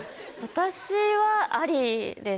私はありです。